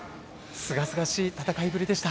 すがすがしい戦いぶりでした。